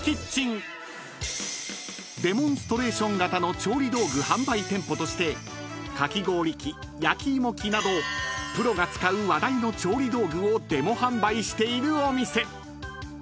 ［デモンストレーション型の調理道具販売店舗としてかき氷機焼き芋機などプロが使う話題の調理道具をデモ販売しているお店］